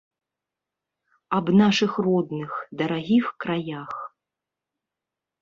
Аб нашых родных, дарагіх краях.